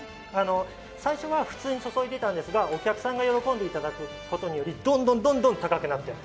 最初は普通に注いでいたんですが、お客さんが喜んでいただくことによりどんどん高くなって。